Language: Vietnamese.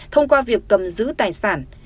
thông qua việc cầm giữ tài sản